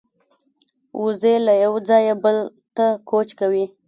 وزې له یوه ځایه بل ته کوچ کوي